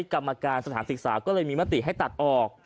กรรมการสถานศึกษาก็เลยมีมติให้ตัดออก